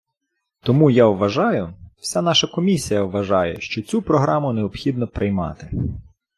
Тому я вважаю, вся наша комісія вважає, що цю програму необхідно приймати.